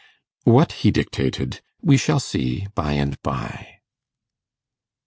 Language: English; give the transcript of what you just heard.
What he dictated, we shall see by and by.